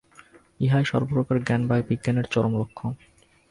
ইহাই সর্ব প্রকার জ্ঞান বা বিজ্ঞানের চরম লক্ষ্য।